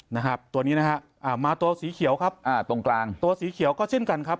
นะครับตัวนี้นะฮะอ่ามาตัวสีเขียวครับอ่าตรงกลางตัวสีเขียวก็เช่นกันครับ